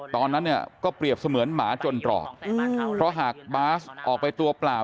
ตอนนั้นเนี่ยก็เปรียบเสมือนหมาจนตรอกเพราะหากบาสออกไปตัวเปล่า